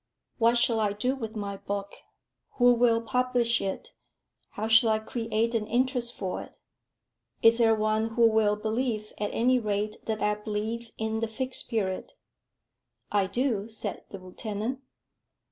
"What shall I do with my book? Who will publish it? How shall I create an interest for it? Is there one who will believe, at any rate, that I believe in the Fixed Period?" "I do," said the lieutenant.